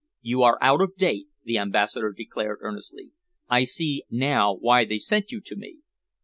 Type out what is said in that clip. "You are out of date," the Ambassador declared earnestly. "I see now why they sent you to me.